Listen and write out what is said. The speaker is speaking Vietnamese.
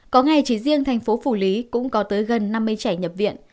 có ngày chỉ riêng thành phố phủ lý cũng có tới gần năm mươi trẻ nhập viện